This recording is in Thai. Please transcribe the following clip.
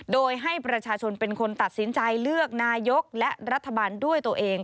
โดยให้ประชาชนเป็นคนตัดสินใจเลือกนายกและรัฐบาลด้วยตัวเอง